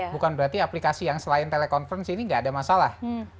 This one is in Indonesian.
bukan berarti aplikasi yang selain telekonferensi ini tidak ada masalah